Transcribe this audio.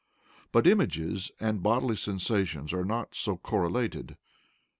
But images and bodily sensations are not so correlated.